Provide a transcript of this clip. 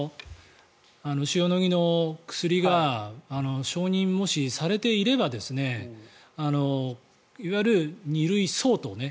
塩野義の薬が承認、もしされていればいわゆる５類相当ね。